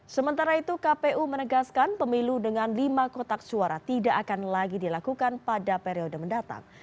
sementara itu kpu menegaskan pemilu dengan lima kotak suara tidak akan lagi dilakukan pada periode mendatang